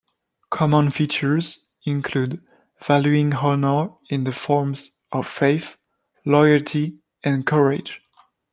Common features include valuing honor in the forms of faith, loyalty and courage.